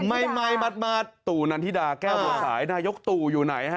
ไม่มัดตู่นันทิดาแก้วบัวสายนายกตู่อยู่ไหนฮะ